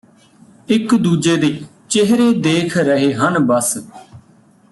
ਇਕ ਦੂਜੇ ਦੇ ਚਿਹਰੇ ਦੇਖ ਰਹੇ ਹਨ ਬੱਸ